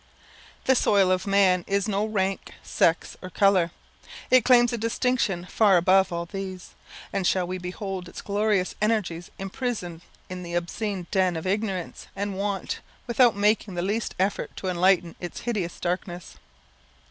The soil of man is no rank, sex, or colour. It claims a distinction far above all these; and shall we behold its glorious energies imprisoned in the obscene den of ignorance and want, without making the least effort to enlighten its hideous darkness?